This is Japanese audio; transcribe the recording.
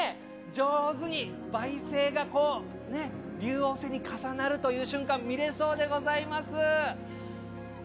上手に、梅星がこう、竜王星に重なるという瞬間、見れそうでございます。